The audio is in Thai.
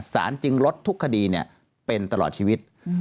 สารจึงลดทุกคดีเป็นตลอดชีวิต